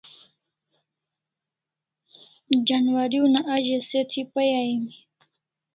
Janwari una a ze se thi pai aimi